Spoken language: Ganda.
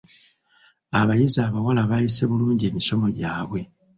Abayizi abawala baayise bulungi emisomo gyabwe.